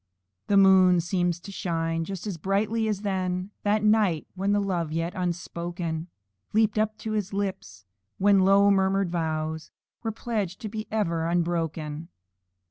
The moon seems to shine forth as brightly as then That night, when the love, yet unspoken, Leaped up to his lips, and when low murmured vows Were pledged to be ever unbroken.